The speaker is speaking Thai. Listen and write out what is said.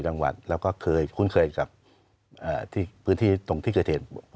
จังหวัดแล้วก็เคยคุ้นเคยกับที่พื้นที่ตรงที่เกิดเหตุ